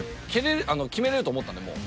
決めれると思ったんでもう。